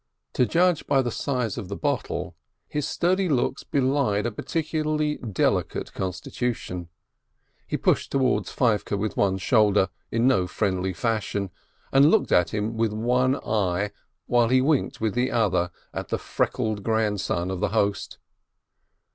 To judge by the size of the bottle, his sturdy looks belied a peculiarly delicate constitution. He pushed towards Feivke with one shoulder, in no friendly fashion, and looked at him with one eye, while he winked with the other at the freckled grandson of the host.